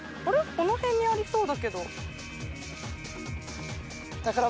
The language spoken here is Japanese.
この辺にありそうだけど。